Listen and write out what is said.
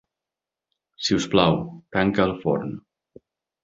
Si us plau, tanca el forn.